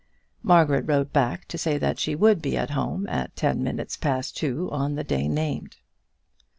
Margaret wrote back to say that she would be at home at ten minutes past two on the day named.